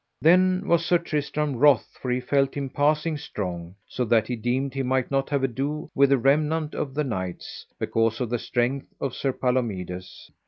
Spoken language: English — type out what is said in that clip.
Then was Sir Tristram wroth, for he felt him passing strong, so that he deemed he might not have ado with the remnant of the knights, because of the strength of Sir Palomides.